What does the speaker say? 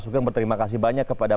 sugeng berterima kasih banyak kepada